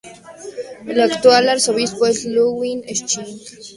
El actual arzobispo es Ludwig Schick.